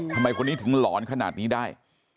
ทำไมคนนี้ถึงหลอนขนาดนี้ได้